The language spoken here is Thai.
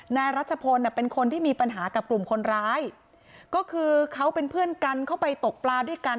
นายรัชพลเป็นคนที่มีปัญหากับกลุ่มคนร้ายก็คือเขาเป็นเพื่อนกันเข้าไปตกปลาด้วยกัน